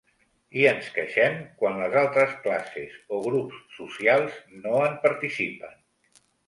I ens queixem quan les altres “classes” o grups socials no en participen.